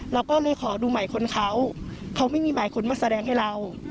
เราก็เลยขอดูหมายคนเขาเขาไม่มีหมายคนมาแสดงให้เรา